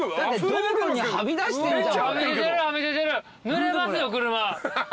ぬれますよ車。